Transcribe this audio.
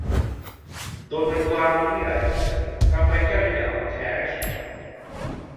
โดนมันกลางเมืองนี่แหละ กาแฟแก้ว ยังจะเอาแคช